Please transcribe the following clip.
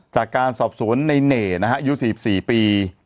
จากการสอบสวนในเหน่นะฮะอายุ๔๔ปี